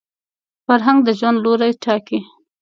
فرهنګ د ژوند لوري ټاکي